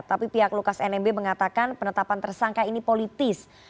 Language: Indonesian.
tapi pihak lukas nmb mengatakan penetapan tersangka ini politis